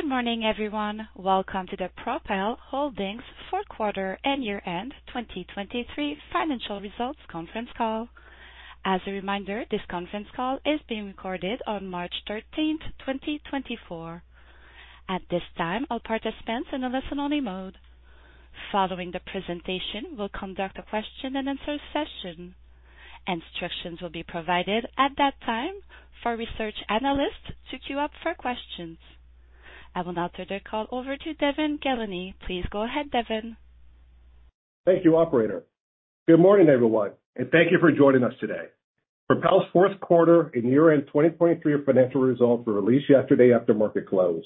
Good morning, everyone. Welcome to the Propel Holdings Fourth Quarter and Year-end 2023 Financial Results Conference Call. As a reminder, this conference call is being recorded on March 13, 2024. At this time, all participants are in a listen-only mode. Following the presentation, we'll conduct a question-and-answer session. Instructions will be provided at that time for research analysts to queue up for questions. I will now turn the call over to Devon Ghelani. Please go ahead, Devon. Thank you, operator. Good morning, everyone, and thank you for joining us today. Propel's fourth quarter and year-end 2023 financial results were released yesterday after market close.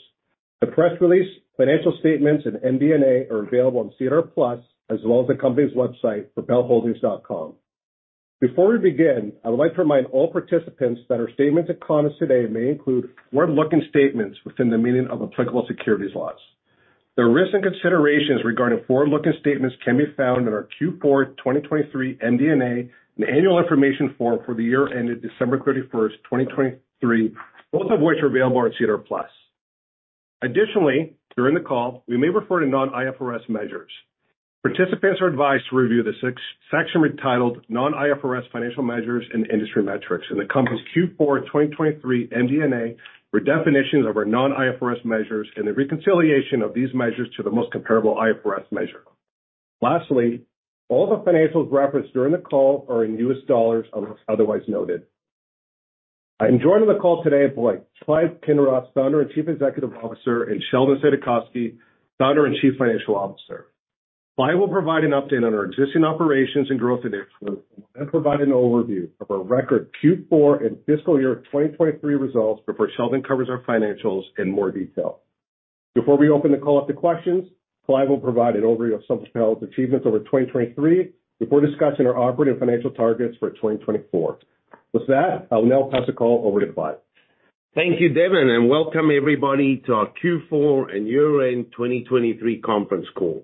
The press release, financial statements, and MD&A are available on SEDAR+ as well as the company's website, propelholdings.com. Before we begin, I would like to remind all participants that our statements and comments today may include forward-looking statements within the meaning of applicable securities laws. The risks and considerations regarding forward-looking statements can be found in our Q4 2023 MD&A and annual information form for the year ended December 31, 2023, both of which are available on SEDAR+. Additionally, during the call, we may refer to non-IFRS measures. Participants are advised to review the section entitled Non-IFRS Financial Measures and Industry Metrics and the company's Q4 2023 MD&A redefinitions of our non-IFRS measures and the reconciliation of these measures to the most comparable IFRS measure. Lastly, all the financials referenced during the call are in US dollars unless otherwise noted. I am joining the call today by Clive Kinross, Founder and Chief Executive Officer, and Sheldon Saidakovsky, Founder and Chief Financial Officer. Clive will provide an update on our existing operations and growth initiatives and will then provide an overview of our record Q4 and fiscal year 2023 results before Sheldon covers our financials in more detail. Before we open the call up to questions, Clive will provide an overview of some of Propel's achievements over 2023 before discussing our operating financial targets for 2024. With that, I will now pass the call over to Clive. Thank you, Devon, and welcome everybody to our Q4 and Year-end 2023 Conference Call.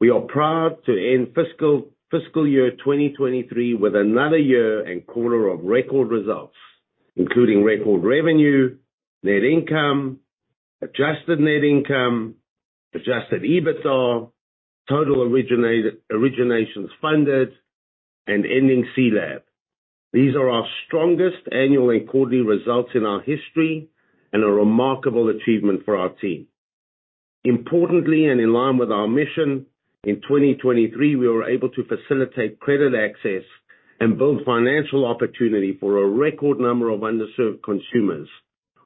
We are proud to end fiscal year 2023 with another year and quarter of record results, including record revenue, net income, adjusted net income, adjusted EBITDA, total originations funded, and ending CLAB. These are our strongest annual and quarterly results in our history and a remarkable achievement for our team. Importantly, and in line with our mission, in 2023, we were able to facilitate credit access and build financial opportunity for a record number of underserved consumers,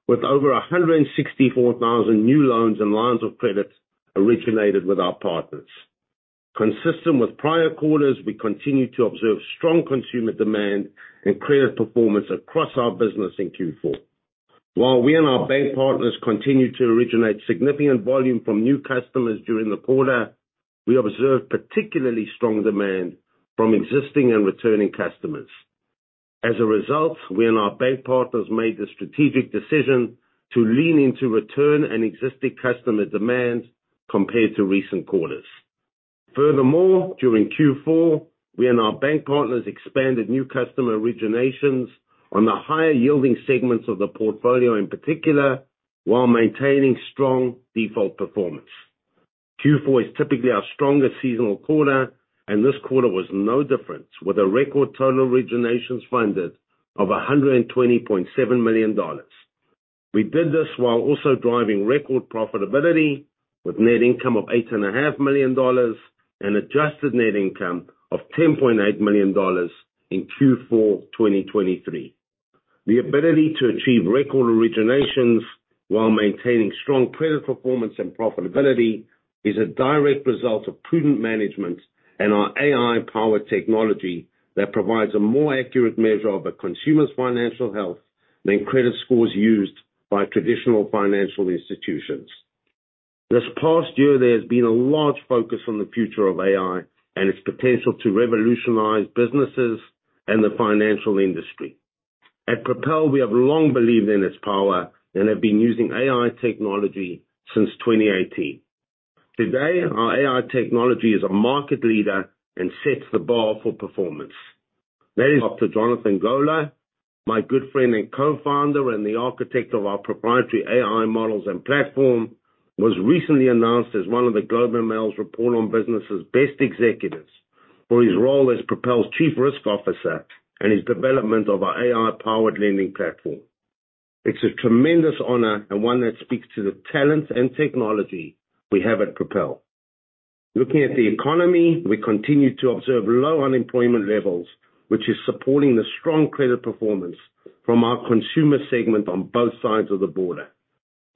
with over 164,000 new loans and lines of credit originated with our partners. Consistent with prior quarters, we continue to observe strong consumer demand and credit performance across our business in Q4. While we and our bank partners continue to originate significant volume from new customers during the quarter, we observe particularly strong demand from existing and returning customers. As a result, we and our bank partners made the strategic decision to lean into return and existing customer demand compared to recent quarters. Furthermore, during Q4, we and our bank partners expanded new customer originations on the higher-yielding segments of the portfolio in particular while maintaining strong default performance. Q4 is typically our strongest seasonal quarter, and this quarter was no different, with a record total originations funded of $120.7 million. We did this while also driving record profitability, with net income of $8.5 million and adjusted net income of $10.8 million in Q4 2023. The ability to achieve record originations while maintaining strong credit performance and profitability is a direct result of prudent management and our AI-powered technology that provides a more accurate measure of a consumer's financial health than credit scores used by traditional financial institutions. This past year, there has been a large focus on the future of AI and its potential to revolutionize businesses and the financial industry. At Propel, we have long believed in its power and have been using AI technology since 2018. Today, our AI technology is a market leader and sets the bar for performance. Dr. Jonathan Goler, my good friend and co-founder and the architect of our proprietary AI models and platform, was recently announced as one of the Globe and Mail's Report on Business's best executives for his role as Propel's Chief Risk Officer and his development of our AI-powered lending platform. It's a tremendous honor and one that speaks to the talents and technology we have at Propel. Looking at the economy, we continue to observe low unemployment levels, which is supporting the strong credit performance from our consumer segment on both sides of the border.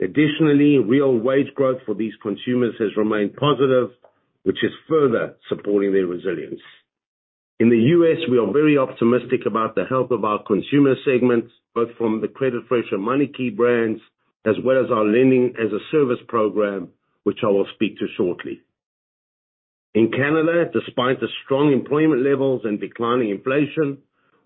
Additionally, real wage growth for these consumers has remained positive, which is further supporting their resilience. In the U.S., we are very optimistic about the health of our consumer segment, both from the CreditFresh MoneyKey brands as well as our lending-as-a-service program, which I will speak to shortly. In Canada, despite the strong employment levels and declining inflation,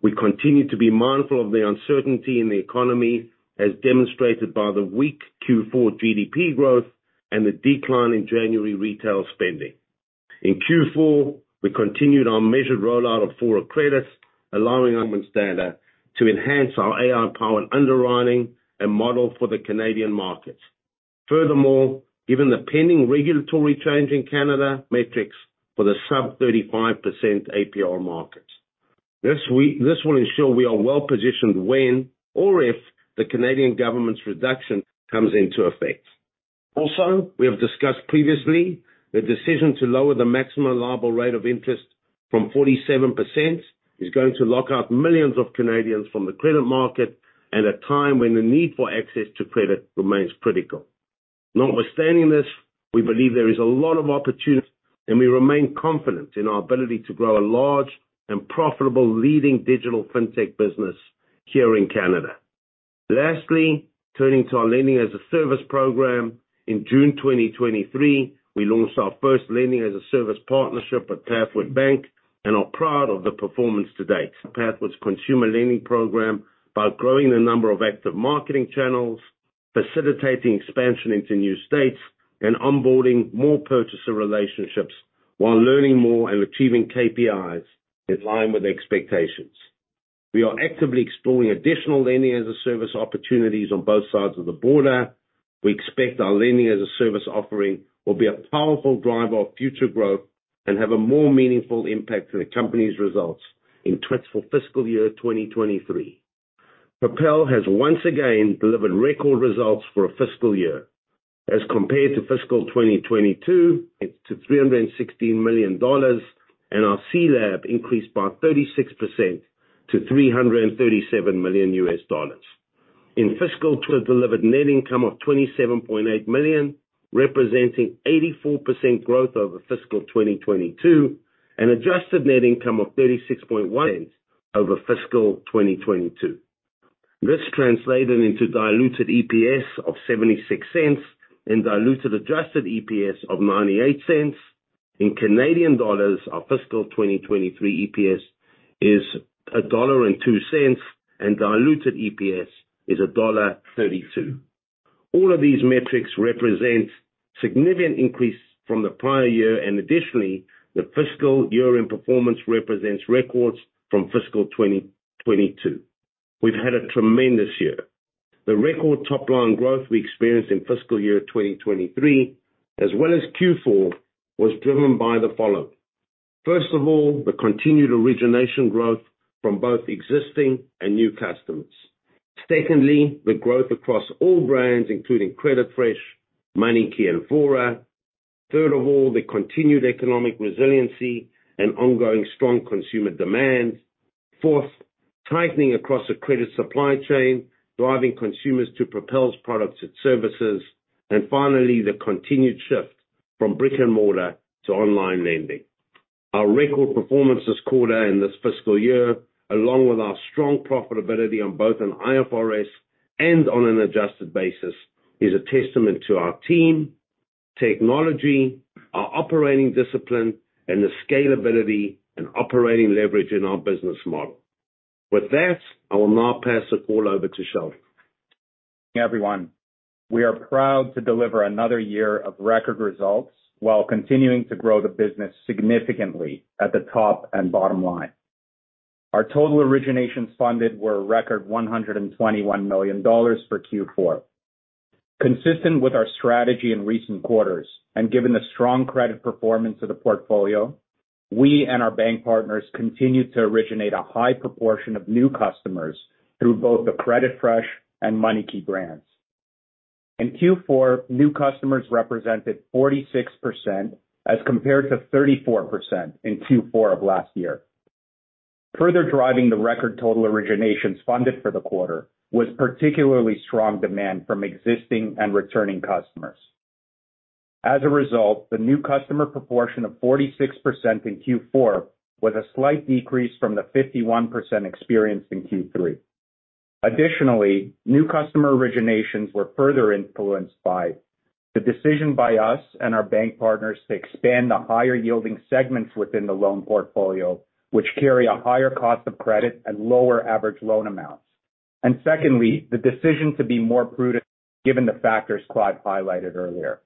we continue to be mindful of the uncertainty in the economy, as demonstrated by the weak Q4 GDP growth and the decline in January retail spending. In Q4, we continued our measured rollout of Fora Credit, allowing performance data to enhance our AI-powered underwriting and model for the Canadian markets. Furthermore, given the pending regulatory change in Canada metrics for the sub-35% APR markets. This will ensure we are well-positioned when or if the Canadian government's reduction comes into effect. Also, we have discussed previously the decision to lower the maximum legal rate of interest from 47% is going to lock out millions of Canadians from the credit market at a time when the need for access to credit remains critical. Notwithstanding this, we believe there is a lot of opportunity, and we remain confident in our ability to grow a large and profitable leading digital fintech business here in Canada. Lastly, turning to our lending as a service program, in June 2023, we launched our first lending as a service partnership with Pathward Bank, and are proud of the performance to date. Pathward's consumer lending program by growing the number of active marketing channels, facilitating expansion into new states, and onboarding more purchaser relationships while learning more and achieving KPIs in line with expectations. We are actively exploring additional lending as a service opportunities on both sides of the border. We expect our lending as a service offering will be a powerful driver of future growth and have a more meaningful impact to the company's results in fruitful fiscal year 2023. Propel has once again delivered record results for a fiscal year. As compared to fiscal 2022, to $316 million, and our CLAB increased by 36% to $337 million US dollars. In fiscal, delivered net income of $27.8 million, representing 84% growth over fiscal 2022, and adjusted net income of $36.1 over fiscal 2022. This translated into diluted EPS of $0.76 and diluted adjusted EPS of $0.98. In Canadian dollars, our fiscal 2023 EPS is 1.02 dollar, and diluted EPS is dollar 1.32. All of these metrics represent significant increase from the prior year, and additionally, the fiscal year-end performance represents records from fiscal 2022. We've had a tremendous year. The record top-line growth we experienced in fiscal year 2023 as well as Q4 was driven by the following. First of all, the continued origination growth from both existing and new customers. Secondly, the growth across all brands, including CreditFresh, MoneyKey, and Fora Credit. Third of all, the continued economic resiliency and ongoing strong consumer demand. Fourth, tightening across the credit supply chain, driving consumers to Propel's products and services. And finally, the continued shift from brick-and-mortar to online lending. Our record performance this quarter and this fiscal year, along with our strong profitability on both an IFRS and on an adjusted basis, is a testament to our team, technology, our operating discipline, and the scalability and operating leverage in our business model. With that, I will now pass the call over to Sheldon. Everyone, we are proud to deliver another year of record results while continuing to grow the business significantly at the top and bottom line. Our total originations funded were a record $121 million for Q4. Consistent with our strategy in recent quarters and given the strong credit performance of the portfolio, we and our bank partners continue to originate a high proportion of new customers through both the CreditFresh and MoneyKey brands. In Q4, new customers represented 46% as compared to 34% in Q4 of last year. Further driving the record total originations funded for the quarter was particularly strong demand from existing and returning customers. As a result, the new customer proportion of 46% in Q4 was a slight decrease from the 51% experienced in Q3. Additionally, new customer originations were further influenced by the decision by us and our bank partners to expand the higher-yielding segments within the loan portfolio, which carry a higher cost of credit and lower average loan amounts. Secondly, the decision to be more prudent given the factors Clive highlighted earlier.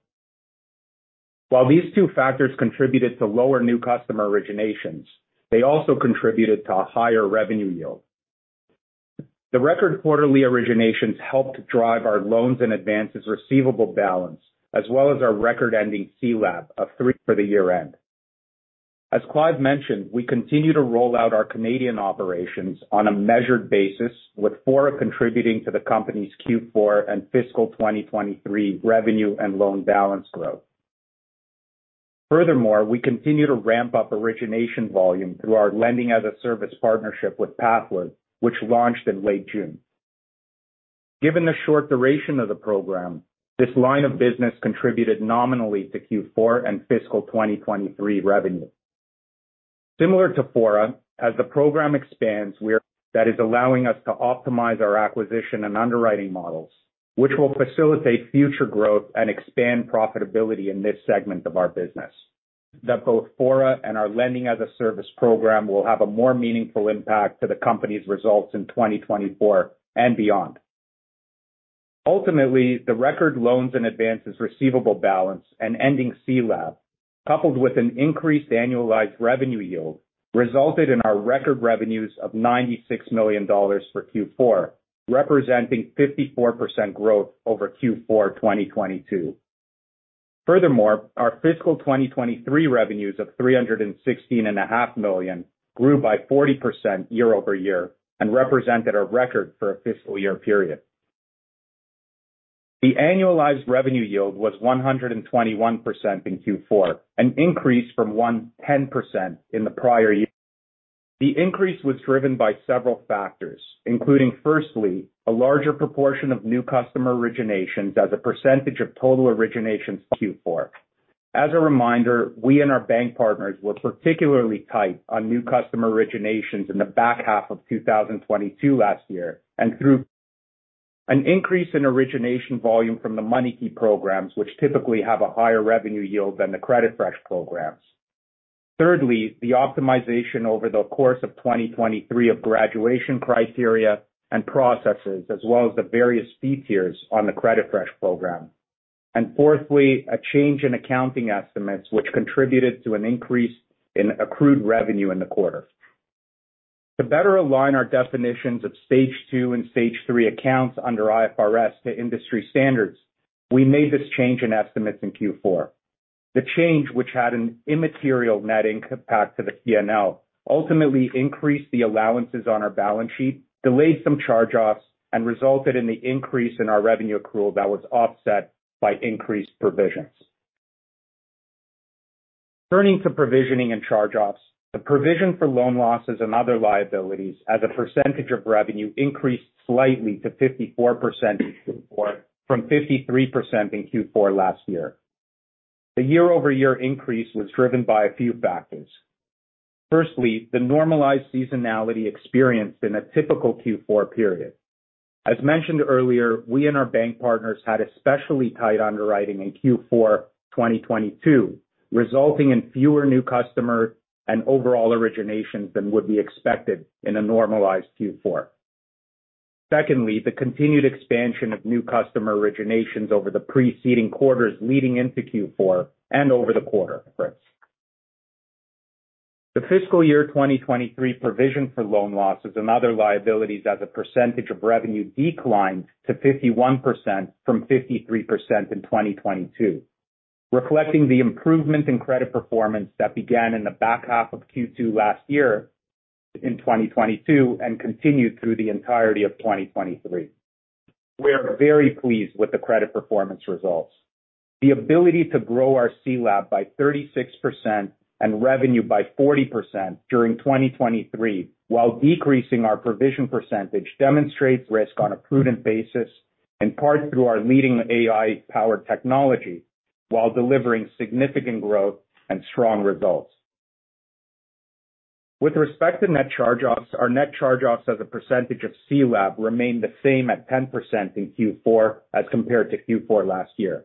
While these two factors contributed to lower new customer originations, they also contributed to a higher revenue yield. The record quarterly originations helped drive our loans and advances receivable balance as well as our record ending CLAB for the year-end. As Clive mentioned, we continue to roll out our Canadian operations on a measured basis, with Fora contributing to the company's Q4 and fiscal 2023 revenue and loan balance growth. Furthermore, we continue to ramp up origination volume through our lending as a service partnership with Pathward, which launched in late June. Given the short duration of the program, this line of business contributed nominally to Q4 and fiscal 2023 revenue. Similar to Fora, as the program expands. That is allowing us to optimize our acquisition and underwriting models, which will facilitate future growth and expand profitability in this segment of our business. That both Fora and our lending as a service program will have a more meaningful impact to the company's results in 2024 and beyond. Ultimately, the record loans and advances receivable balance and ending CLAB, coupled with an increased annualized revenue yield, resulted in our record revenues of $96 million for Q4, representing 54% growth over Q4 2022. Furthermore, our fiscal 2023 revenues of $316.5 million grew by 40% year-over-year and represented a record for a fiscal year period. The annualized revenue yield was 121% in Q4, an increase from 110% in the prior year. The increase was driven by several factors, including, firstly, a larger proportion of new customer originations as a percentage of total originations. Q4. As a reminder, we and our bank partners were particularly tight on new customer originations in the back half of 2022 last year and through. An increase in origination volume from the MoneyKey programs, which typically have a higher revenue yield than the CreditFresh programs. Thirdly, the optimization over the course of 2023 of graduation criteria and processes, as well as the various fee tiers on the CreditFresh program. And fourthly, a change in accounting estimates, which contributed to an increase in accrued revenue in the quarter. To better align our definitions of stage two and stage three accounts under IFRS to industry standards, we made this change in estimates in Q4. The change, which had an immaterial net income impact to the P&L, ultimately increased the allowances on our balance sheet, delayed some charge-offs, and resulted in the increase in our revenue accrual that was offset by increased provisions. Turning to provisioning and charge-offs, the provision for loan losses and other liabilities as a percentage of revenue increased slightly to 54% in Q4 from 53% in Q4 last year. The year-over-year increase was driven by a few factors. Firstly, the normalized seasonality experienced in a typical Q4 period. As mentioned earlier, we and our bank partners had especially tight underwriting in Q4 2022, resulting in fewer new customer and overall originations than would be expected in a normalized Q4. Secondly, the continued expansion of new customer originations over the preceding quarters leading into Q4 and over the quarter difference. The fiscal year 2023 provision for loan losses and other liabilities as a percentage of revenue declined to 51% from 53% in 2022, reflecting the improvement in credit performance that began in the back half of Q2 last year in 2022 and continued through the entirety of 2023. We are very pleased with the credit performance results. The ability to grow our CLAB by 36% and revenue by 40% during 2023 while decreasing our provision percentage demonstrates risk on a prudent basis, in part through our leading AI-powered technology, while delivering significant growth and strong results. With respect to net charge-offs, our net charge-offs as a percentage of CLAB remain the same at 10% in Q4 as compared to Q4 last year.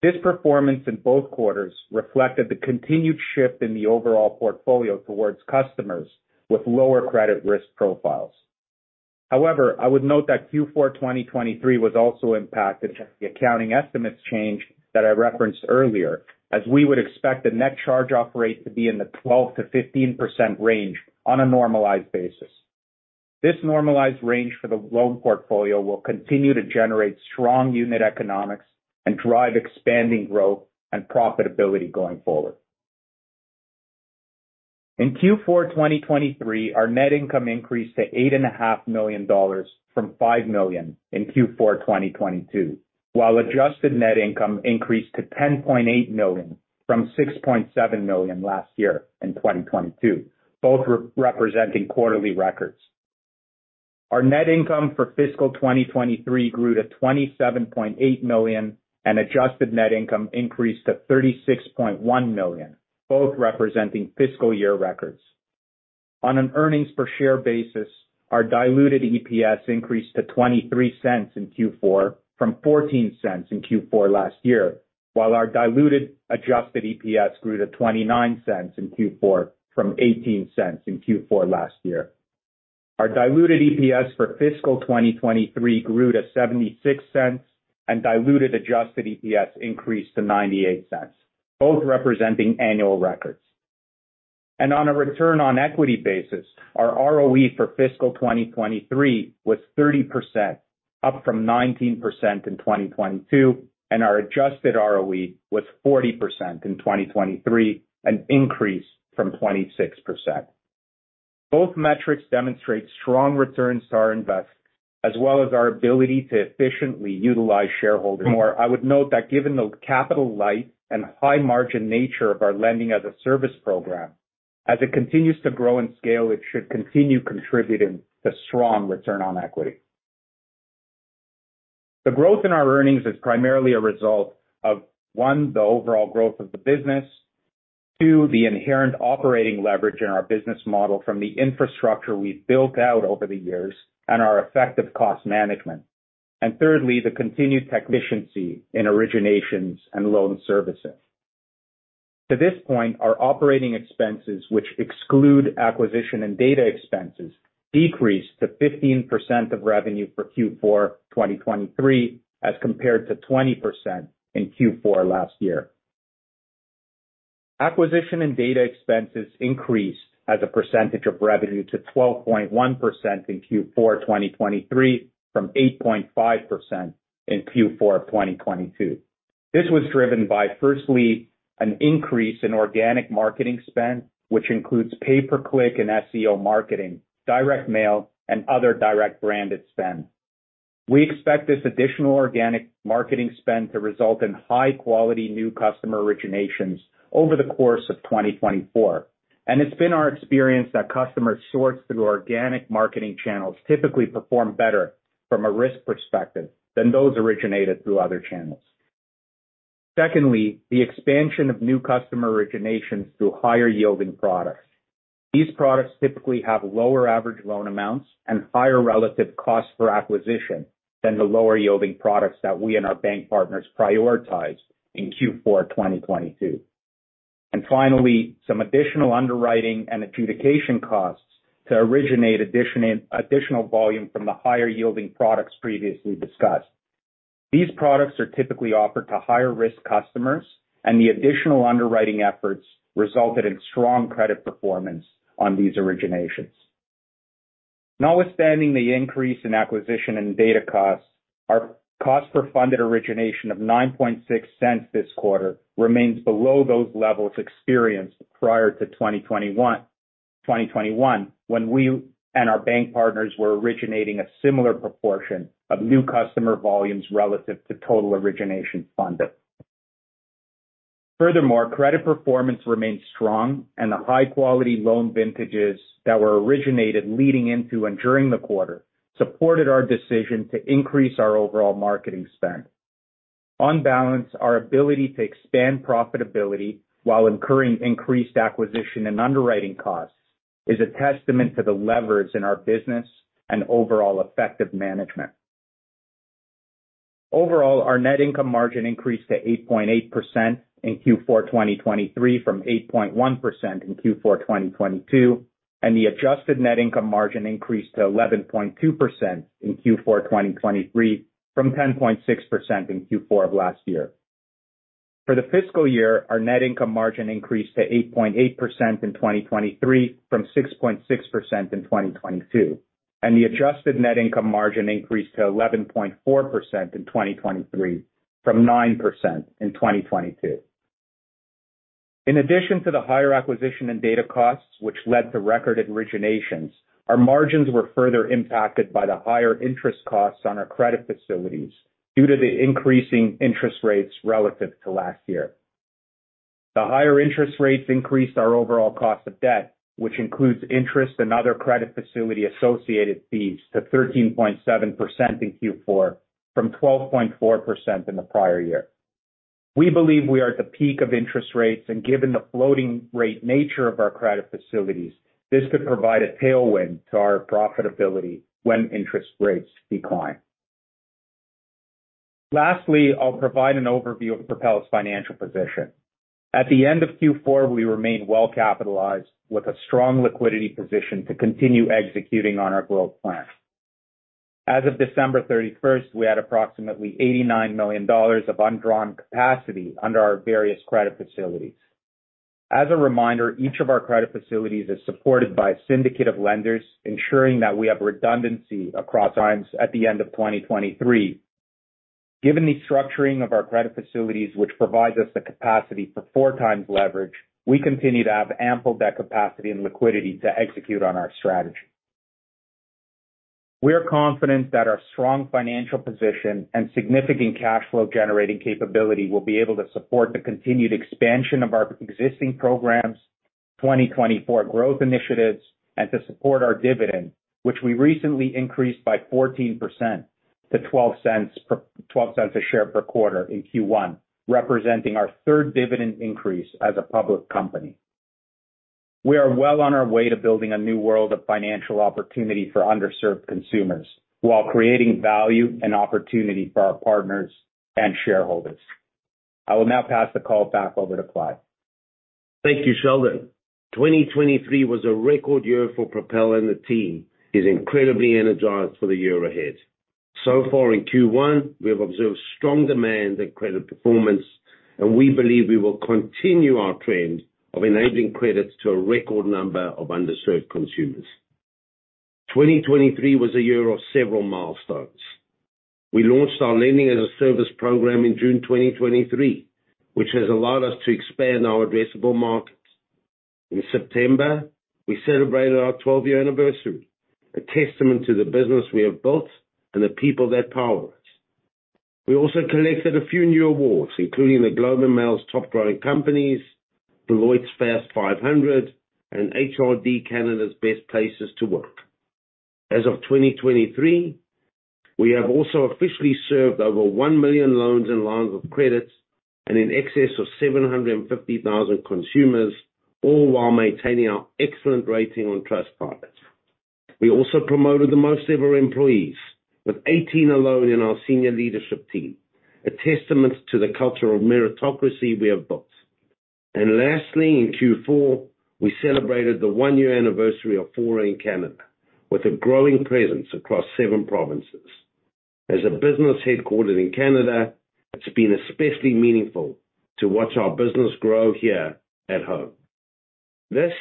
This performance in both quarters reflected the continued shift in the overall portfolio towards customers with lower credit risk profiles. However, I would note that Q4 2023 was also impacted by the accounting estimates change that I referenced earlier, as we would expect the net charge-off rate to be in the 12%-15% range on a normalized basis. This normalized range for the loan portfolio will continue to generate strong unit economics and drive expanding growth and profitability going forward. In Q4 2023, our net income increased to 8.5 million dollars from 5 million in Q4 2022, while adjusted net income increased to 10.8 million from 6.7 million last year in 2022, both representing quarterly records. Our net income for fiscal 2023 grew to 27.8 million, and adjusted net income increased to 36.1 million, both representing fiscal year records. On an earnings per share basis, our diluted EPS increased to $0.23 in Q4 from $0.14 in Q4 last year, while our diluted adjusted EPS grew to $0.29 in Q4 from $0.18 in Q4 last year. Our diluted EPS for fiscal 2023 grew to $0.76, and diluted adjusted EPS increased to $0.98, both representing annual records. On a return on equity basis, our ROE for fiscal 2023 was 30%, up from 19% in 2022, and our adjusted ROE was 40% in 2023, an increase from 26%. Both metrics demonstrate strong returns to our investors as well as our ability to efficiently utilize shareholders' equity. Moreover, I would note that given the capital light and high-margin nature of our lending-as-a-service program, as it continues to grow and scale, it should continue contributing to strong return on equity. The growth in our earnings is primarily a result of, one, the overall growth of the business, two, the inherent operating leverage in our business model from the infrastructure we've built out over the years and our effective cost management, and thirdly, the continued efficiency in originations and loan services. To this point, our operating expenses, which exclude acquisition and data expenses, decreased to 15% of revenue for Q4 2023 as compared to 20% in Q4 last year. Acquisition and data expenses increased as a percentage of revenue to 12.1% in Q4 2023 from 8.5% in Q4 2022. This was driven by, firstly, an increase in organic marketing spend, which includes pay-per-click and SEO marketing, direct mail, and other direct-branded spend. We expect this additional organic marketing spend to result in high-quality new customer originations over the course of 2024. It's been our experience that customers sourced through organic marketing channels typically perform better from a risk perspective than those originated through other channels. Secondly, the expansion of new customer originations through higher-yielding products. These products typically have lower average loan amounts and higher relative costs for acquisition than the lower-yielding products that we and our bank partners prioritized in Q4 2022. And finally, some additional underwriting and adjudication costs to originate additional volume from the higher-yielding products previously discussed. These products are typically offered to higher-risk customers, and the additional underwriting efforts resulted in strong credit performance on these originations. Notwithstanding the increase in acquisition and data costs, our cost-per-funded origination of $0.96 this quarter remains below those levels experienced prior to 2021, when we and our bank partners were originating a similar proportion of new customer volumes relative to total origination funded. Furthermore, credit performance remained strong, and the high-quality loan vintages that were originated leading into and during the quarter supported our decision to increase our overall marketing spend. On balance, our ability to expand profitability while incurring increased acquisition and underwriting costs is a testament to the levers in our business and overall effective management. Overall, our net income margin increased to 8.8% in Q4 2023 from 8.1% in Q4 2022, and the adjusted net income margin increased to 11.2% in Q4 2023 from 10.6% in Q4 of last year. For the fiscal year, our net income margin increased to 8.8% in 2023 from 6.6% in 2022, and the adjusted net income margin increased to 11.4% in 2023 from 9% in 2022. In addition to the higher acquisition and data costs, which led to record originations, our margins were further impacted by the higher interest costs on our credit facilities due to the increasing interest rates relative to last year. The higher interest rates increased our overall cost of debt, which includes interest and other credit facility-associated fees, to 13.7% in Q4 from 12.4% in the prior year. We believe we are at the peak of interest rates, and given the floating-rate nature of our credit facilities, this could provide a tailwind to our profitability when interest rates decline. Lastly, I'll provide an overview of Propel's financial position. At the end of Q4, we remain well-capitalized with a strong liquidity position to continue executing on our growth plan. As of December 31st, we had approximately $89 million of undrawn capacity under our various credit facilities. As a reminder, each of our credit facilities is supported by a syndicate of lenders, ensuring that we have redundancy across times at the end of 2023. Given the structuring of our credit facilities, which provides us the capacity for 4x leverage, we continue to have ample debt capacity and liquidity to execute on our strategy. We are confident that our strong financial position and significant cash flow-generating capability will be able to support the continued expansion of our existing programs, 2024 growth initiatives, and to support our dividend, which we recently increased by 14% to 0.12 a share per quarter in Q1, representing our third dividend increase as a public company. We are well on our way to building a new world of financial opportunity for underserved consumers while creating value and opportunity for our partners and shareholders. I will now pass the call back over to Clive. Thank you, Sheldon. 2023 was a record year for Propel and the team. I'm incredibly energized for the year ahead. So far in Q1, we have observed strong demand and credit performance, and we believe we will continue our trend of enabling credits to a record number of underserved consumers. 2023 was a year of several milestones. We launched our lending as a service program in June 2023, which has allowed us to expand our addressable markets. In September, we celebrated our 12-year anniversary, a testament to the business we have built and the people that power us. We also collected a few new awards, including the Globe and Mail's Top Growing Companies, Deloitte's Fast 500, and HRD Canada's Best Places to Work. As of 2023, we have also officially served over 1 million loans and lines of credit and in excess of 750,000 consumers, all while maintaining our excellent rating on Trustpilot. We also promoted the most-ever employees, with 18 alone in our senior leadership team, a testament to the culture of meritocracy we have built. And lastly, in Q4, we celebrated the one-year anniversary of Fora in Canada with a growing presence across seven provinces. As a business headquartered in Canada, it's been especially meaningful to watch our business grow here at home. This,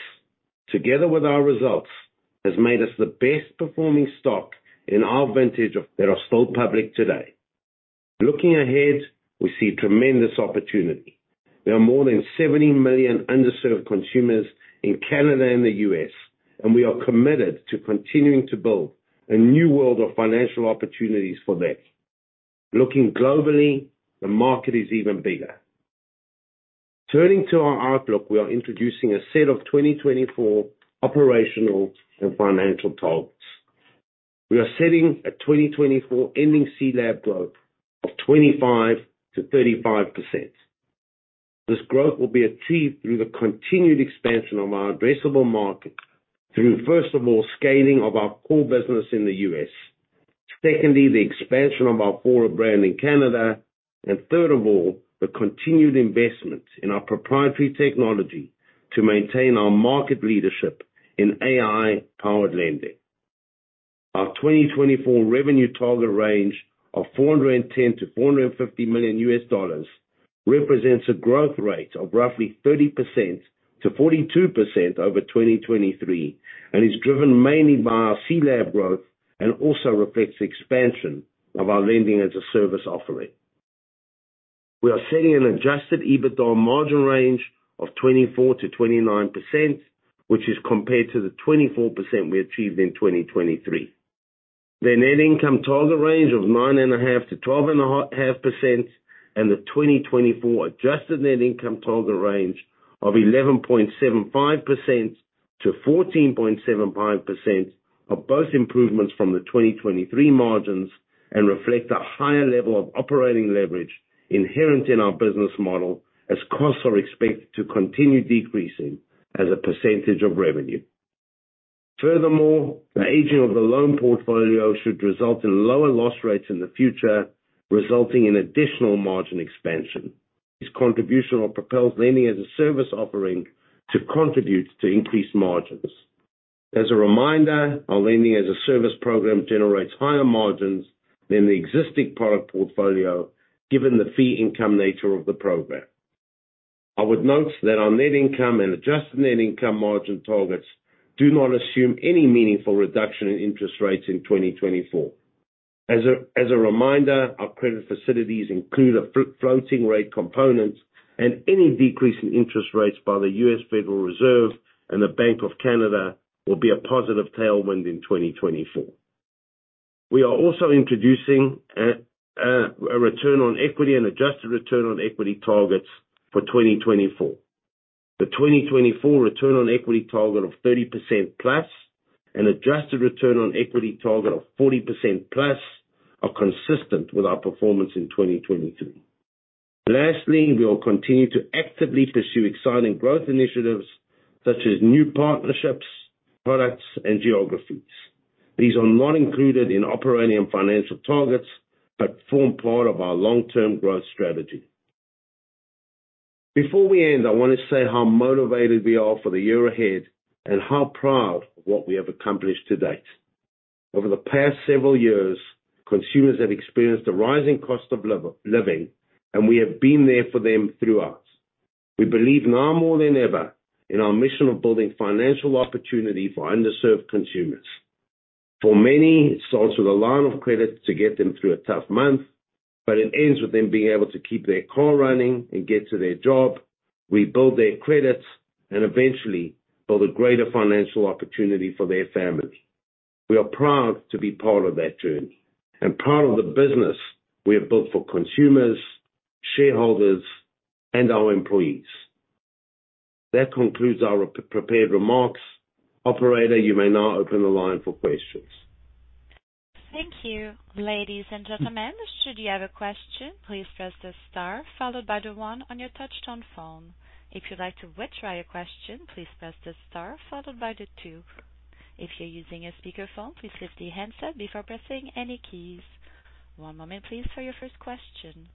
together with our results, has made us the best-performing stock in our vintage that are still public today. Looking ahead, we see tremendous opportunity. There are more than 70 million underserved consumers in Canada and the U.S., and we are committed to continuing to build a new world of financial opportunities for them. Looking globally, the market is even bigger. Turning to our outlook, we are introducing a set of 2024 operational and financial targets. We are setting a 2024 ending CLAB growth of 25%-35%. This growth will be achieved through the continued expansion of our addressable market through, first of all, scaling of our core business in the U.S., secondly, the expansion of our Fora brand in Canada, and third of all, the continued investment in our proprietary technology to maintain our market leadership in AI-powered lending. Our 2024 revenue target range of $410 million-$450 million represents a growth rate of roughly 30%-42% over 2023 and is driven mainly by our CLAB growth and also reflects the expansion of our lending as a service offering. We are setting an adjusted EBITDA margin range of 24%-29%, which is compared to the 24% we achieved in 2023. The net income target range of 9.5%-12.5% and the 2024 adjusted net income target range of 11.75%-14.75% are both improvements from the 2023 margins and reflect a higher level of operating leverage inherent in our business model, as costs are expected to continue decreasing as a percentage of revenue. Furthermore, the aging of the loan portfolio should result in lower loss rates in the future, resulting in additional margin expansion. This contribution of Propel's lending as a service offering to contribute to increased margins. As a reminder, our lending as a service program generates higher margins than the existing product portfolio, given the fee income nature of the program. I would note that our net income and adjusted net income margin targets do not assume any meaningful reduction in interest rates in 2024. As a reminder, our credit facilities include a floating-rate component, and any decrease in interest rates by the U.S. Federal Reserve and the Bank of Canada will be a positive tailwind in 2024. We are also introducing a return on equity and adjusted return on equity targets for 2024. The 2024 return on equity target of 30%+ and adjusted return on equity target of 40%+ are consistent with our performance in 2023. Lastly, we will continue to actively pursue exciting growth initiatives such as new partnerships, products, and geographies. These are not included in operating and financial targets but form part of our long-term growth strategy. Before we end, I want to say how motivated we are for the year ahead and how proud of what we have accomplished to date. Over the past several years, consumers have experienced a rising cost of living, and we have been there for them throughout. We believe now more than ever in our mission of building financial opportunity for underserved consumers. For many, it starts with a line of credit to get them through a tough month, but it ends with them being able to keep their car running and get to their job, rebuild their credit, and eventually build a greater financial opportunity for their family. We are proud to be part of that journey and part of the business we have built for consumers, shareholders, and our employees. That concludes our prepared remarks. Operator, you may now open the line for questions. Thank you, ladies and gentlemen. Should you have a question, please press the star followed by the one on your touch-tone phone. If you'd like to withdraw your question, please press the star followed by the two. If you're using a speakerphone, please lift the handset before pressing any keys. One moment, please, for your first question.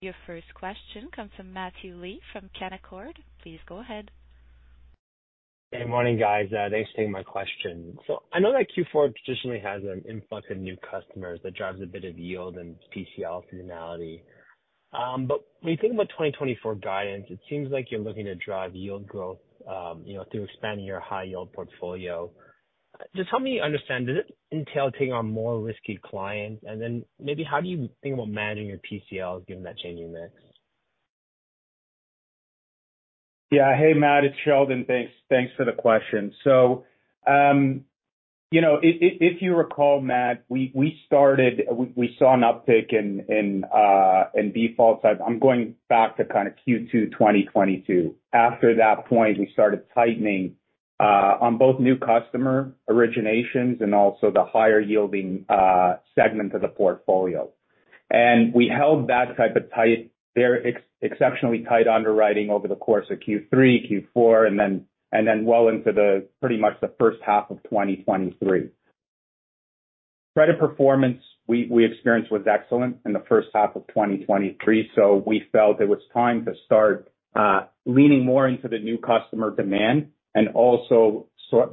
Your first question comes from Matthew Lee from Canaccord. Please go ahead. Hey, morning, guys. Thanks for taking my question. So I know that Q4 traditionally has an influx of new customers that drives a bit of yield and PCL seasonality. But when you think about 2024 guidance, it seems like you're looking to drive yield growth through expanding your high-yield portfolio. Just help me understand, does it entail taking on more risky clients? And then maybe how do you think about managing your PCLs given that changing mix? Yeah. Hey, Matt. It's Sheldon. Thanks for the question. So if you recall, Matt, we saw an uptick in defaults. I'm going back to kind of Q2 2022. After that point, we started tightening on both new customer originations and also the higher-yielding segment of the portfolio. We held that type of exceptionally tight underwriting over the course of Q3, Q4, and then well into pretty much the first half of 2023. Credit performance we experienced was excellent in the first half of 2023, so we felt it was time to start leaning more into the new customer demand and also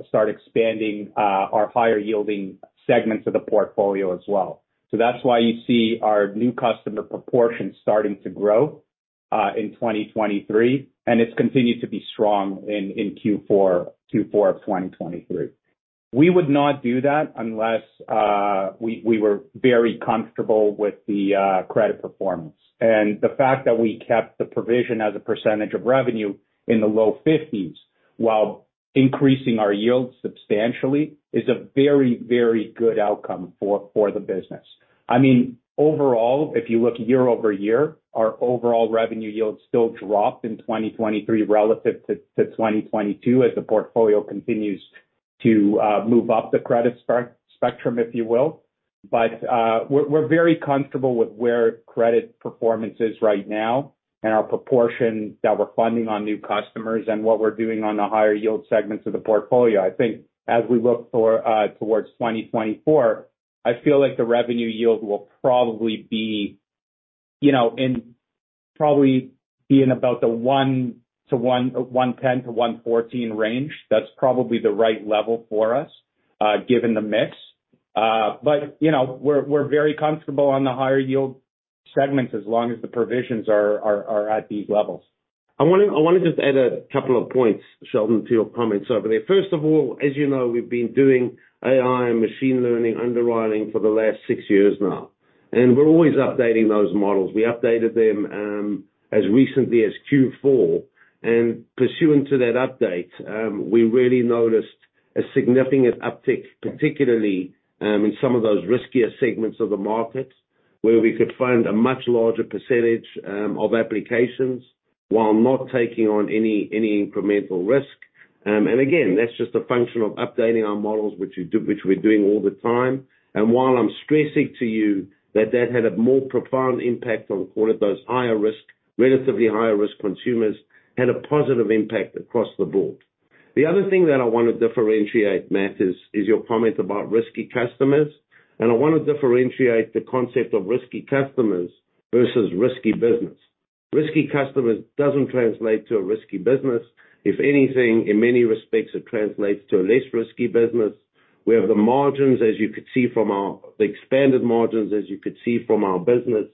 start expanding our higher-yielding segments of the portfolio as well. That's why you see our new customer proportion starting to grow in 2023, and it's continued to be strong in Q4 of 2023. We would not do that unless we were very comfortable with the credit performance. The fact that we kept the provision as a percentage of revenue in the low 50s while increasing our yield substantially is a very, very good outcome for the business. I mean, overall, if you look year-over-year, our overall revenue yields still dropped in 2023 relative to 2022 as the portfolio continues to move up the credit spectrum, if you will. But we're very comfortable with where credit performance is right now and our proportion that we're funding on new customers and what we're doing on the higher-yield segments of the portfolio. I think as we look towards 2024, I feel like the revenue yield will probably be in probably being about the 110%-114% range. That's probably the right level for us given the mix. But we're very comfortable on the higher-yield segments as long as the provisions are at these levels. I want to just add a couple of points, Sheldon, to your comments over there. First of all, as you know, we've been doing AI and machine learning underwriting for the last six years now, and we're always updating those models. We updated them as recently as Q4. And pursuant to that update, we really noticed a significant uptick, particularly in some of those riskier segments of the market where we could find a much larger percentage of applications while not taking on any incremental risk. And again, that's just a function of updating our models, which we're doing all the time. And while I'm stressing to you that that had a more profound impact on, call it, those relatively higher-risk consumers, had a positive impact across the board. The other thing that I want to differentiate, Matt, is your comment about risky customers. I want to differentiate the concept of risky customers versus risky business. Risky customers doesn't translate to a risky business. If anything, in many respects, it translates to a less risky business. We have the margins, as you could see from our the expanded margins, as you could see from our business,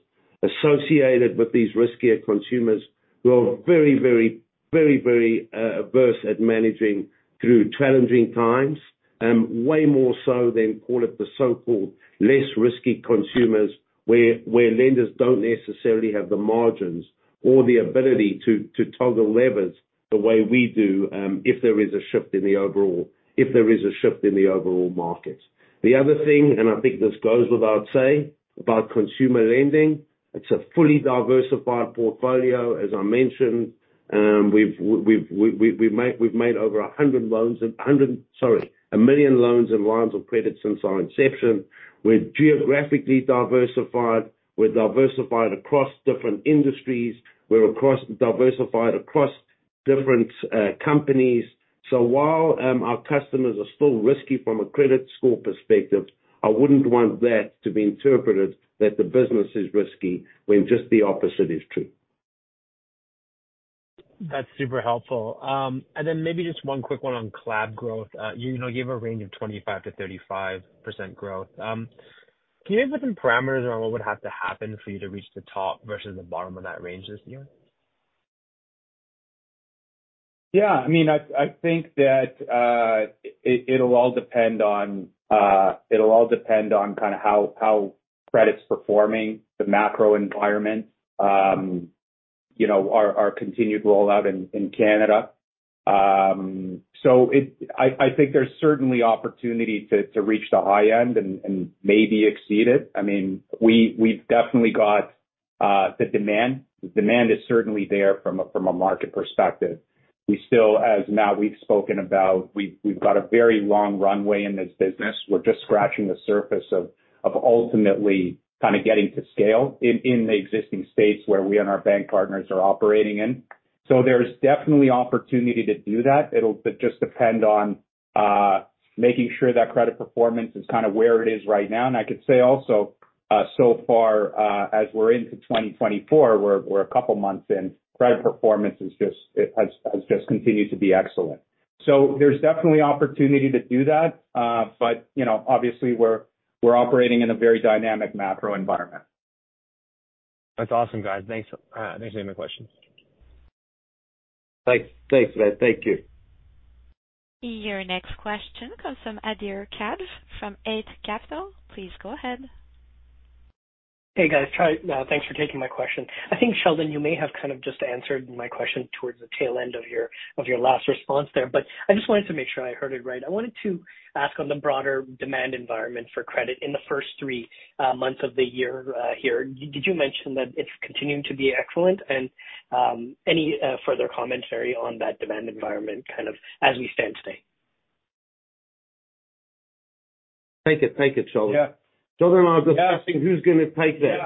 associated with these riskier consumers who are very, very, very, very averse at managing through challenging times, way more so than, call it, the so-called less risky consumers where lenders don't necessarily have the margins or the ability to toggle levers the way we do if there is a shift in the overall if there is a shift in the overall market. The other thing, and I think this goes without say, about consumer lending, it's a fully diversified portfolio. As I mentioned, we've made over 100 loans and 100, sorry, 1 million loans and lines of credit since our inception. We're geographically diversified. We're diversified across different industries. We're diversified across different companies. So while our customers are still risky from a credit score perspective, I wouldn't want that to be interpreted that the business is risky when just the opposite is true. That's super helpful. And then maybe just one quick one on CLAB growth. You gave a range of 25%-35% growth. Can you give me some parameters around what would have to happen for you to reach the top versus the bottom of that range this year? Yeah. I mean, I think that it'll all depend on. It'll all depend on kind of how credit's performing, the macro environment, our continued rollout in Canada. So I think there's certainly opportunity to reach the high end and maybe exceed it. I mean, we've definitely got the demand. The demand is certainly there from a market perspective. As Matt, we've spoken about, we've got a very long runway in this business. We're just scratching the surface of ultimately kind of getting to scale in the existing states where we and our bank partners are operating in. So there's definitely opportunity to do that. It'll just depend on making sure that credit performance is kind of where it is right now. And I could say also, so far, as we're into 2024, we're a couple of months in, credit performance has just continued to be excellent. So there's definitely opportunity to do that. But obviously, we're operating in a very dynamic macro environment. That's awesome, guys. Thanks for taking my question. Thanks, Matt. Thank you. Your next question comes from Adhir Kadve from Eight Capital. Please go ahead. Hey, guys. Thanks for taking my question. I think, Sheldon, you may have kind of just answered my question towards the tail end of your last response there, but I just wanted to make sure I heard it right. I wanted to ask on the broader demand environment for credit in the first three months of the year here. Did you mention that it's continuing to be excellent? And any further commentary on that demand environment kind of as we stand today? Take it. Take it, Sheldon. Sheldon and I are discussing who's going to take that.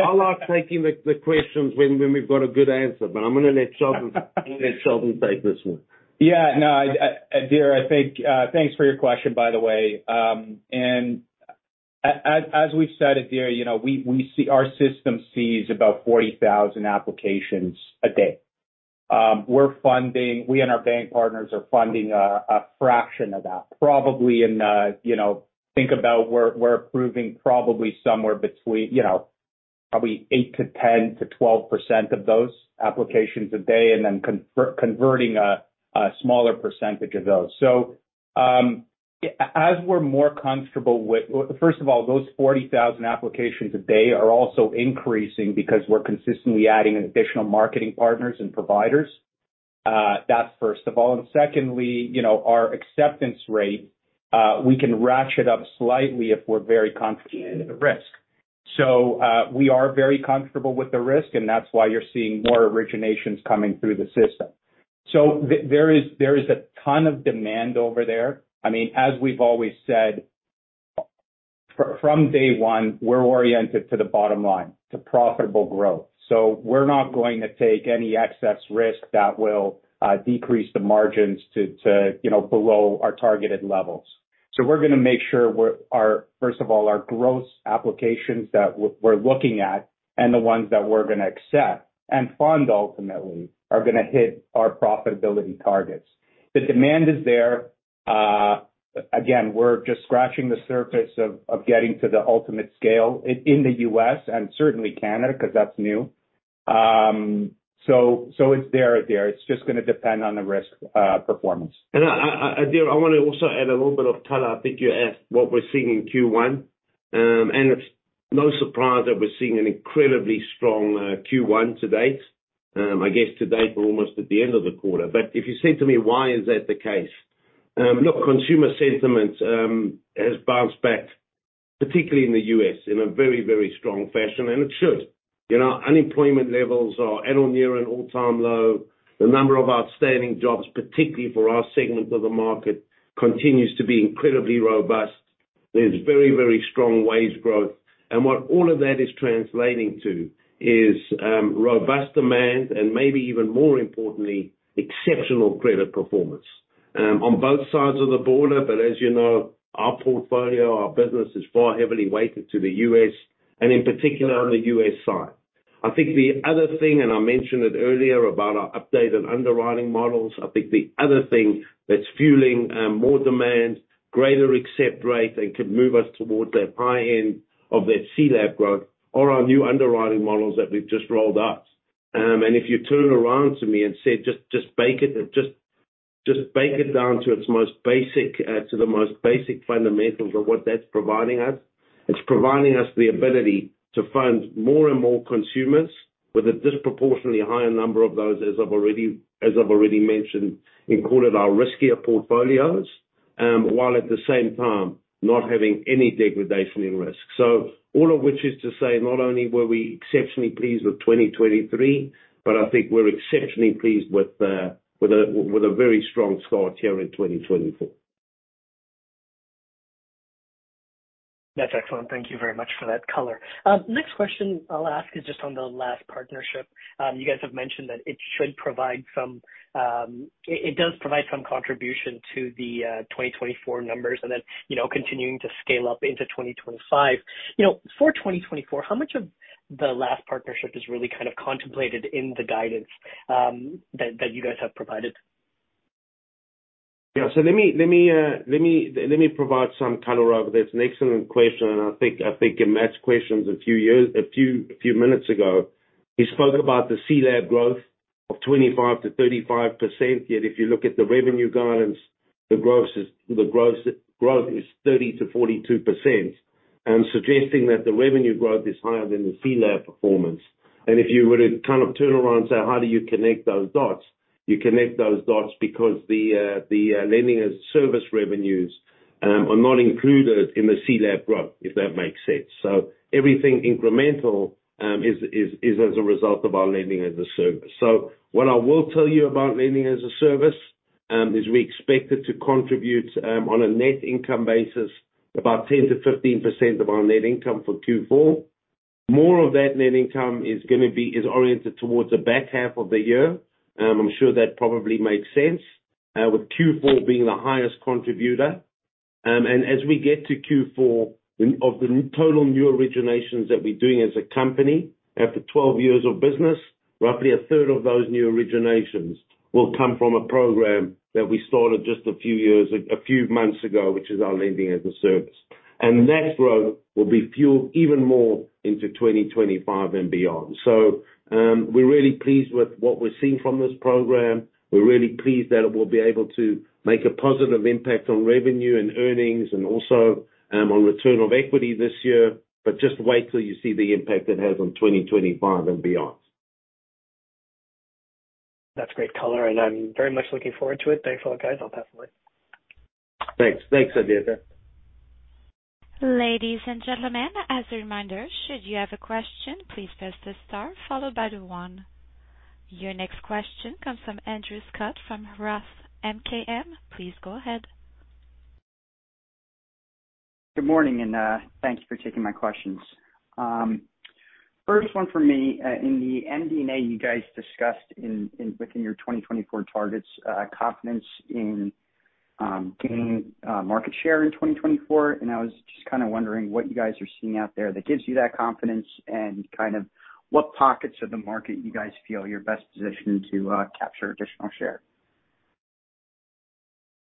I like taking the questions when we've got a good answer, but I'm going to let Sheldon take this one. Yeah. No, Adhir, thanks for your question, by the way. As we've said, Adhir, our system sees about 40,000 applications a day. We and our bank partners are funding a fraction of that, probably in think about we're approving probably somewhere between probably 8%-12% of those applications a day and then converting a smaller percentage of those. So as we're more comfortable with first of all, those 40,000 applications a day are also increasing because we're consistently adding additional marketing partners and providers. That's first of all. And secondly, our acceptance rate, we can ratchet up slightly if we're very comfortable with the risk. So we are very comfortable with the risk, and that's why you're seeing more originations coming through the system. So there is a ton of demand over there. I mean, as we've always said, from day one, we're oriented to the bottom line, to profitable growth. So we're not going to take any excess risk that will decrease the margins to below our targeted levels. So we're going to make sure, first of all, our growth applications that we're looking at and the ones that we're going to accept and fund ultimately are going to hit our profitability targets. The demand is there. Again, we're just scratching the surface of getting to the ultimate scale in the U.S. and certainly Canada because that's new. So it's there, Adhir. It's just going to depend on the risk performance. And Adhir, I want to also add a little bit of color. I think you asked what we're seeing in Q1, and it's no surprise that we're seeing an incredibly strong Q1 to date. I guess to date, we're almost at the end of the quarter. But if you said to me, "Why is that the case?" Look, consumer sentiment has bounced back, particularly in the U.S., in a very, very strong fashion, and it should. Unemployment levels are at or near an all-time low. The number of outstanding jobs, particularly for our segment of the market, continues to be incredibly robust. There's very, very strong wage growth. And what all of that is translating to is robust demand and maybe even more importantly, exceptional credit performance on both sides of the border. But as you know, our portfolio, our business is far heavily weighted to the U.S. and in particular on the U.S. side. I think the other thing and I mentioned it earlier about our updated underwriting models. I think the other thing that's fueling more demand, greater accept rate, and could move us towards that high end of that CLAB growth are our new underwriting models that we've just rolled out. And if you turn around to me and say, "Just bake it, just bake it down to its most basic to the most basic fundamentals of what that's providing us," it's providing us the ability to fund more and more consumers with a disproportionately higher number of those, as I've already mentioned and called it, our riskier portfolios while at the same time not having any degradation in risk. So all of which is to say, not only were we exceptionally pleased with 2023, but I think we're exceptionally pleased with a very strong start here in 2024. That's excellent. Thank you very much for that color. Next question I'll ask is just on the LaaS partnership. You guys have mentioned that it should provide some it does provide some contribution to the 2024 numbers and then continuing to scale up into 2025. For 2024, how much of the LaaS partnership is really kind of contemplated in the guidance that you guys have provided? Yeah. So let me provide some color over this. An excellent question, and I think it matched questions a few minutes ago. He spoke about the CLAB growth of 25%-35%. Yet if you look at the revenue guidance, the growth is 30%-42%, suggesting that the revenue growth is higher than the CLAB performance. And if you were to kind of turn around and say, "How do you connect those dots?" you connect those dots because the lending as a service revenues are not included in the CLAB growth, if that makes sense. So everything incremental is as a result of our lending as a service. So what I will tell you about lending as a service is we expect it to contribute on a net income basis about 10%-15% of our net income for Q4. More of that net income is going to be oriented towards the back half of the year. I'm sure that probably makes sense, with Q4 being the highest contributor. As we get to Q4 of the total new originations that we're doing as a company after 12 years of business, roughly a third of those new originations will come from a program that we started just a few months ago, which is our lending as a service. And that growth will be fueled even more into 2025 and beyond. So we're really pleased with what we're seeing from this program. We're really pleased that it will be able to make a positive impact on revenue and earnings and also on return on equity this year, but just wait till you see the impact it has on 2025 and beyond. That's great color, and I'm very much looking forward to it. Thanks a lot, guys. I'll pass the mic. Thanks. Thanks, Adhir. Ladies and gentlemen, as a reminder, should you have a question, please press the star followed by the one. Your next question comes from Andrew Scutt from ROTH MKM. Please go ahead. Good morning, and thank you for taking my questions. First one for me. In the MD&A, you guys discussed within your 2024 targets confidence in gaining market share in 2024. And I was just kind of wondering what you guys are seeing out there that gives you that confidence and kind of what pockets of the market you guys feel you're best positioned to capture additional share.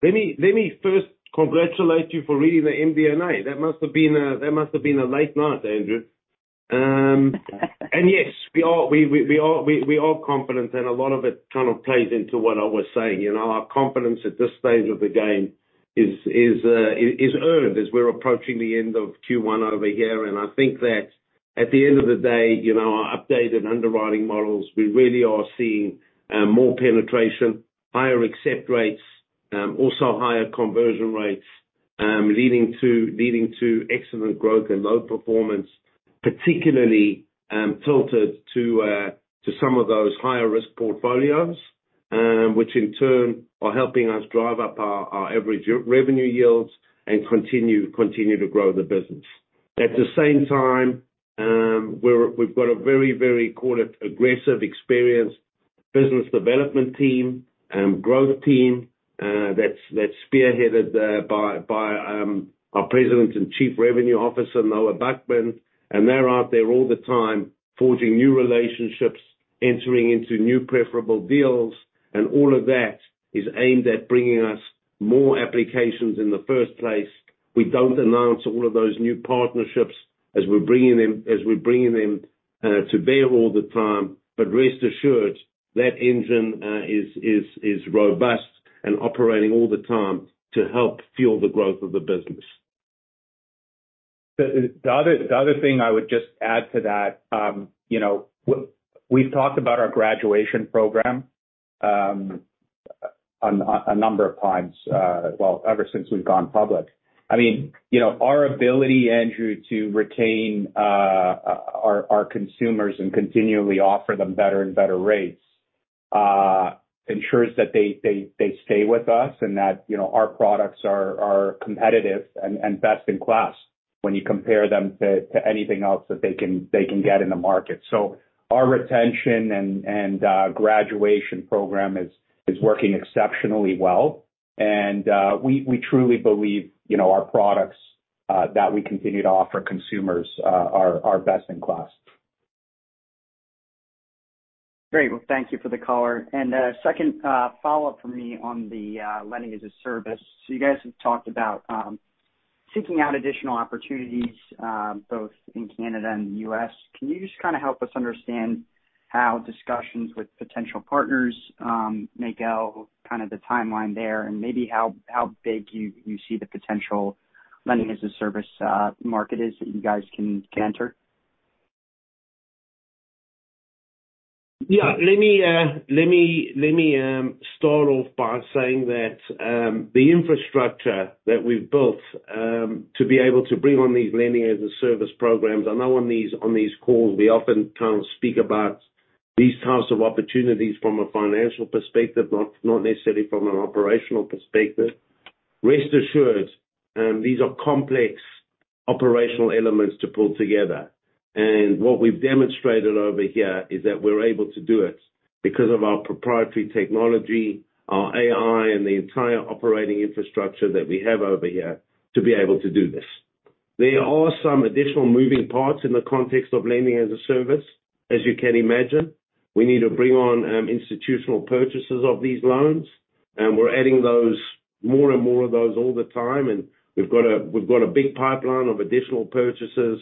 Let me first congratulate you for reading the MD&A. That must have been a late night, Andrew. And yes, we are confident, and a lot of it kind of plays into what I was saying. Our confidence at this stage of the game is earned as we're approaching the end of Q1 over here. I think that at the end of the day, our updated underwriting models, we really are seeing more penetration, higher accept rates, also higher conversion rates, leading to excellent growth and low performance, particularly tilted to some of those higher-risk portfolios, which in turn are helping us drive up our average revenue yields and continue to grow the business. At the same time, we've got a very, very, call it, aggressive experienced business development team, growth team that's spearheaded by our President and Chief Revenue Officer, Noah Buchman. They're out there all the time forging new relationships, entering into new preferable deals. All of that is aimed at bringing us more applications in the first place. We don't announce all of those new partnerships as we're bringing them to bear all the time. But rest assured, that engine is robust and operating all the time to help fuel the growth of the business. The other thing I would just add to that, we've talked about our graduation program a number of times, well, ever since we've gone public. I mean, our ability, Andrew, to retain our consumers and continually offer them better and better rates ensures that they stay with us and that our products are competitive and best in class when you compare them to anything else that they can get in the market. So our retention and graduation program is working exceptionally well. And we truly believe our products that we continue to offer consumers are best in class. Great. Well, thank you for the color. And second follow-up from me on the lending as a service. So you guys have talked about seeking out additional opportunities both in Canada and the U.S. Can you just kind of help us understand how discussions with potential partners make out kind of the timeline there and maybe how big you see the potential lending as a service market is that you guys can enter? Yeah. Let me start off by saying that the infrastructure that we've built to be able to bring on these lending as a service programs. I know on these calls, we often kind of speak about these types of opportunities from a financial perspective, not necessarily from an operational perspective. Rest assured, these are complex operational elements to pull together. What we've demonstrated over here is that we're able to do it because of our proprietary technology, our AI, and the entire operating infrastructure that we have over here to be able to do this. There are some additional moving parts in the context of lending as a service, as you can imagine. We need to bring on institutional purchases of these loans. We're adding more and more of those all the time. And we've got a big pipeline of additional purchases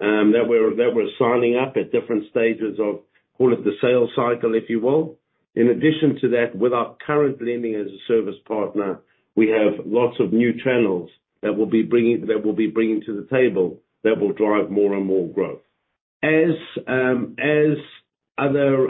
that we're signing up at different stages of call it the sales cycle, if you will. In addition to that, with our current lending as a service partner, we have lots of new channels that we'll be bringing to the table that will drive more and more growth. As other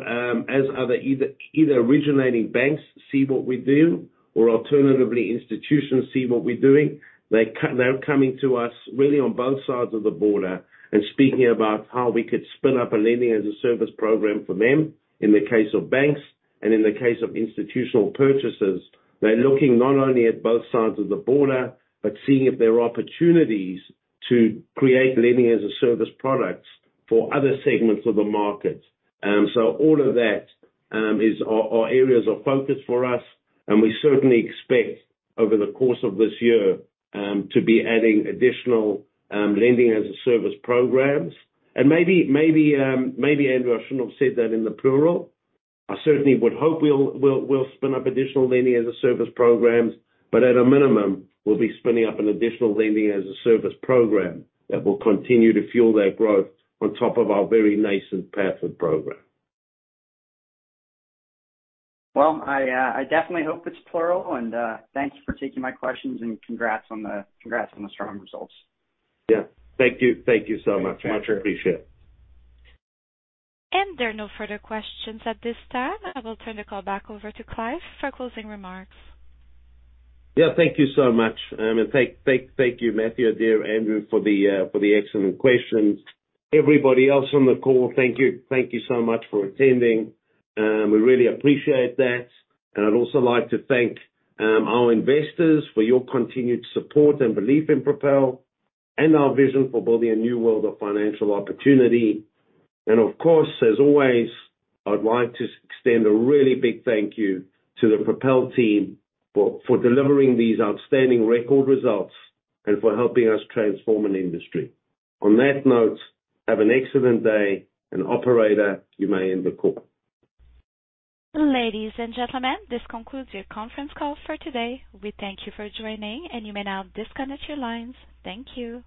either originating banks see what we do or alternatively, institutions see what we're doing, they're coming to us really on both sides of the border and speaking about how we could spin up a lending as a service program for them in the case of banks and in the case of institutional purchases. They're looking not only at both sides of the border but seeing if there are opportunities to create lending as a service products for other segments of the market. So all of that is our areas of focus for us. We certainly expect, over the course of this year, to be adding additional lending as a service programs. Maybe, Andrew, I shouldn't have said that in the plural. I certainly would hope we'll spin up additional lending as a service programs. But at a minimum, we'll be spinning up an additional lending as a service program that will continue to fuel that growth on top of our very nascent Pathward program. Well, I definitely hope it's plural. And thank you for taking my questions and congrats on the strong results. Yeah. Thank you. Thank you so much. Much appreciated. And there are no further questions at this time. I will turn the call back over to Clive for closing remarks. Yeah. Thank you so much. And thank you, Matthew, Adhir, Andrew, for the excellent questions. Everybody else on the call, thank you so much for attending. We really appreciate that. And I'd also like to thank our investors for your continued support and belief in Propel and our vision for building a new world of financial opportunity. Of course, as always, I'd like to extend a really big thank you to the Propel team for delivering these outstanding record results and for helping us transform an industry. On that note, have an excellent day. Operator, you may end the call. Ladies and gentlemen, this concludes your conference call for today. We thank you for joining, and you may now disconnect your lines. Thank you.